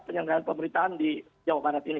penyelenggaraan pemerintahan di jawa barat ini